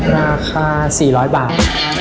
ราคา๔๐๐บาท